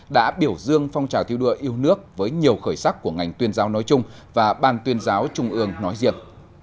đã biểu dương phong trào thi đua yêu nước với nhiều khởi sắc của ngành tuyên giáo nói chung và ban tuyên giáo trung ương nói riêng